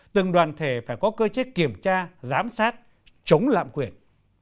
từng đoàn thể phải có cơ chế kiểm tra giám sát chống lạm quyền